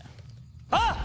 あっ！